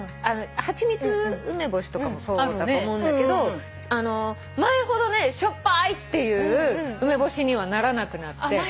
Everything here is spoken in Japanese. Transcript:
蜂蜜梅干しとかもそうだと思うんだけど前ほどしょっぱい！っていう梅干しにはならなくなって。